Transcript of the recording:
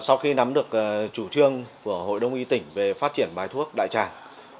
sau khi nắm được chủ trương của hội đông y tỉnh về phát triển bài thuốc đại tràng